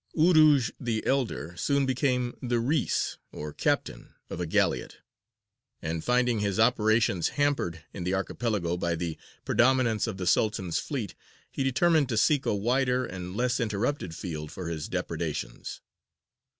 Urūj, the elder, soon became the reïs, or captain, of a galleot, and finding his operations hampered in the Archipelago by the predominance of the Sultan's fleet, he determined to seek a wider and less interrupted field for his depredations.